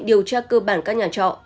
điều tra cơ bản các nhà trọ